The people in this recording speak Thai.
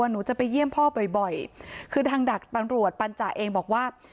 หนูจะไปเยี่ยมพ่อบ่อยคือทางดักตำรวจปัญจ่าเองบอกว่า